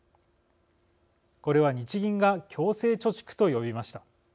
これは日銀が強制貯蓄と呼びました。